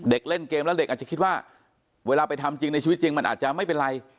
เด็กเล่นเกมแล้วเด็กอาจจะคิดว่าเวลาไปทำจริงในชีวิตจริงมันอาจจะไม่เป็นไร